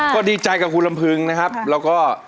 ก็ดีใจกับคุณลำพึงนะครับแล้วก็